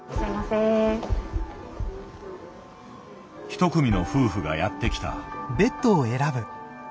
一組の夫婦がやって来た。